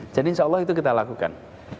jadi insya allah itu kita lakukan